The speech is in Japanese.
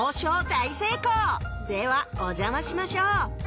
大成功ではお邪魔しましょう